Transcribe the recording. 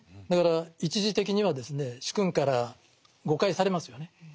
だから一時的にはですね主君から誤解されますよね。